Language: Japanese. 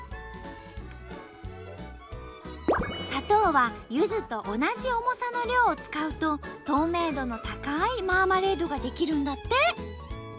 砂糖はゆずと同じ重さの量を使うと透明度の高いマーマレードが出来るんだって！